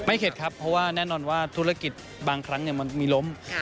เข็ดครับเพราะว่าแน่นอนว่าธุรกิจบางครั้งมันมีล้ม